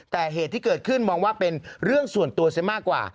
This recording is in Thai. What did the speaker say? แต่เหตุที่เกิดขึ้นมองว่าเป็นเรื่องส่วนตัวซะมากกว่า